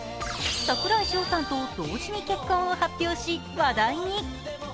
櫻井翔さんと同時に結婚を発表し、話題に。